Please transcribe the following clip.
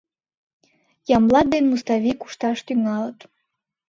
Ямблат ден Муставий кушташ тӱҥалыт.